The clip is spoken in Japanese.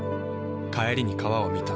帰りに川を見た。